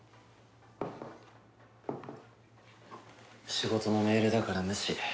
仕事のメールだから無視。